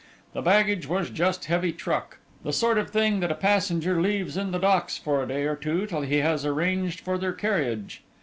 The baggage was just heavy truck; the sort of thing that a passenger leaves in the docks for a day or two till he has arranged for their carriage.